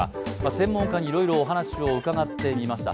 専門家にいろいろお話を伺ってみました。